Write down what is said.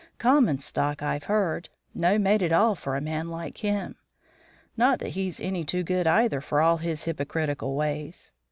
Common stock, I've heard. No mate at all for a man like him. Not that he's any too good either for all his hypocritical ways.